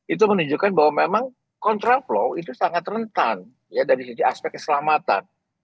itu menunjukkan bahwa memang kontraflow itu sangat rentan ya dari sisi aspek keselamatan